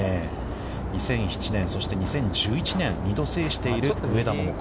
２００７年、そして２０１１年２度、制している上田桃子。